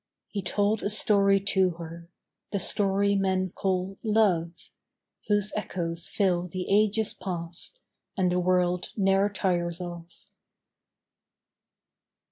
He told a story to her, The story men call Love, Whose echoes fill the ages past And the world ne'er tires of.